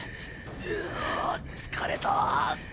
うおっ疲れた。